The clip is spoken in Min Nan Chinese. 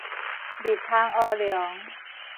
蜜芳烏龍